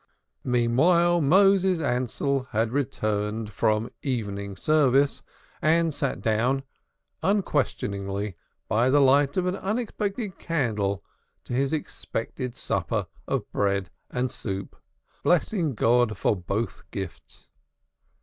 Meanwhile Moses Ansell had returned from evening service and sat down, unquestioningly, by the light of an unexpected candle to his expected supper of bread and soup, blessing God for both gifts.